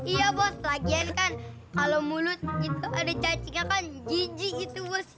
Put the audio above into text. iya bos lagian kan kalau mulut itu ada cacingnya kan jinji itu bos